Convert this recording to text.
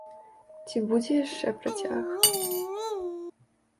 Ці будзе яшчэ працяг?